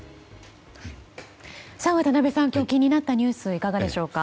渡辺さん、今日気になったニュース、いかがでしょうか？